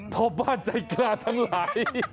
พ่อบ้านใจกล้าทั้งหลาย